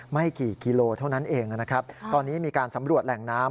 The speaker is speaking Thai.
ไม่กี่กิโลเท่านั้นเองนะครับตอนนี้มีการสำรวจแหล่งน้ำ